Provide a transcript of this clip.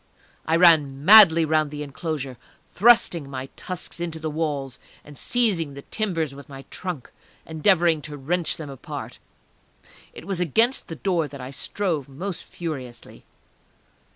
I ran madly round the enclosure, thrusting my tusks into the walls, and seizing the timbers with my trunk, endeavouring to wrench them apart. It was against the door that I strove most furiously....